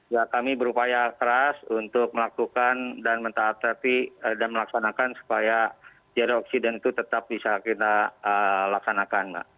ya kami berupaya keras untuk melakukan dan melaksanakan supaya zero accident itu tetap bisa kita laksanakan